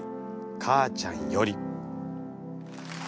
母ちゃんより」。